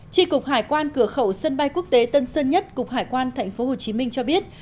tri cục hải quan cửa khẩu sân bay quốc tế tân sơn nhất cục hải quan tp hcm cho biết